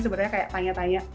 sebenarnya kayak tanya tanya